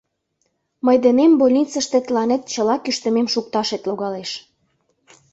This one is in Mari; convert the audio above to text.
Мый денем больницыште тыланет чыла кӱштымем шукташет логалеш.